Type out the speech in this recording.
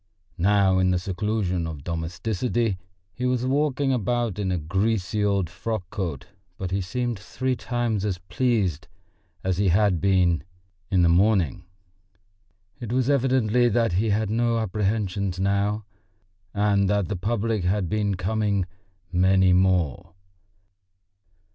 Now in the seclusion of domesticity he was walking about in a greasy old frock coat, but he seemed three times as pleased as he had been in the morning. It was evidently that he had no apprehensions now, and that the public had been coming "many more."